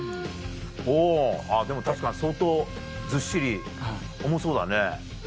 おでも確かに相当ずっしり重そうだね。